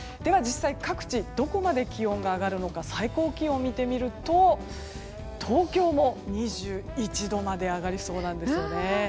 実際、各地どこまで気温が上がるのか最高気温を見てみると東京も２１度まで上がりそうなんですね。